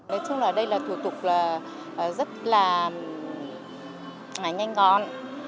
nói chung là đây là thủ tục rất là nhanh gọn